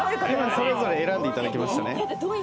今、それぞれ選んでいただきましたね。